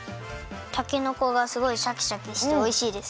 たけのこがすごいシャキシャキしておいしいです。